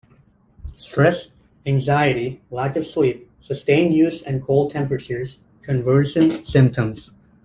Stress, anxiety, lack of sleep, sustained use and cold temperatures can worsen symptoms.